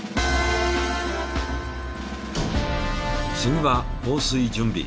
次は放水準備。